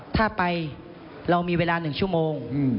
ถ้าไปเรามีเวลา๑ชั่วโมง